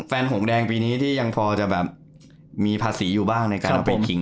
หงแดงปีนี้ที่ยังพอจะแบบมีภาษีอยู่บ้างในการเอาไปทิ้ง